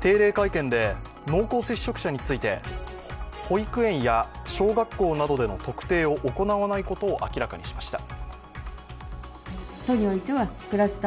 定例会見で濃厚接触者について、保育園や小学校などでの特定を行わないことを明らかにしました。